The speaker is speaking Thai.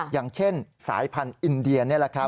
อย่างเช่นสายพันธุ์อินเดียนี่แหละครับ